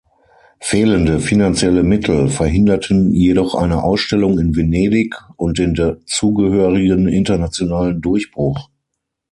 Fehlende finanzielle Mittel verhinderten jedoch eine Ausstellung in Venedig und den dazugehörigen internationalen Durchbruch.